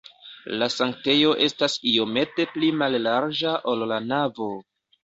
La sanktejo estas iomete pli mallarĝa, ol la navo.